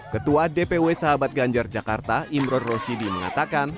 ketua dpw sahabat ganjar jakarta imro rosyidi mengatakan